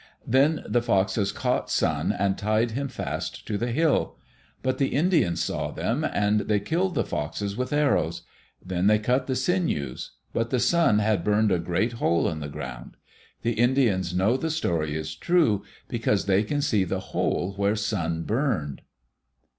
Then the Foxes caught Sun, and tied him fast to the hill. But the Indians saw them, and they killed the Foxes with arrows. Then they cut the sinews. But the Sun had burned a great hole in the ground. The Indians know the story is true, because they can see the hole which Sun burned.